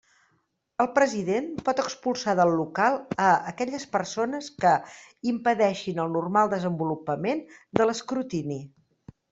El president pot expulsar del local a aquelles persones que impedeixin el normal desenvolupament de l'escrutini.